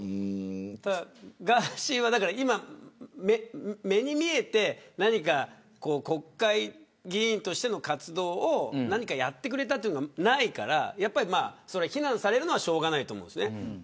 ただ、ガーシーは今、目に見えて何か国会議員としての活動をやってくれたというのがないから非難されるのはしょうがないと思います。